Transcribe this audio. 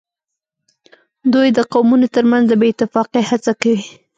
دوی د قومونو ترمنځ د بې اتفاقۍ هڅه کوي